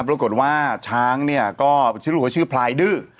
ปรากฏว่าช้างก็ชื่อหัวชื่อพลายดื้อ